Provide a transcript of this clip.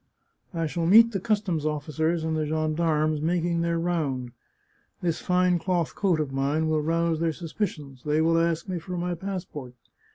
I shall meet the customs officers and the gendarmes making their round. This fine cloth coat of mine will rouse their sus picions ; they will ask me for my passport.